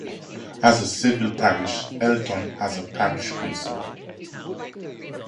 As a civil parish, Elton has a parish council.